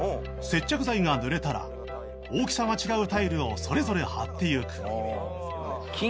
接着剤が塗れたら大きさが違うタイルをそれぞれ貼っていく